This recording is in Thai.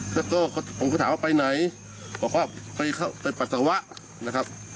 แล้วก็ผมก็ถามว่าไปไหนบอกว่าไปปัสสาวะนะครับ